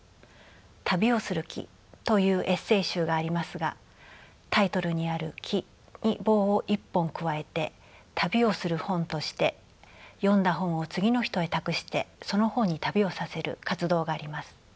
「旅をする木」というエッセー集がありますがタイトルにある「木」に棒を一本加えて「旅をする本」として読んだ本を次の人へ託してその本に旅をさせる活動があります。